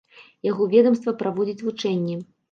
Яго ведамства праводзіць вучэнні.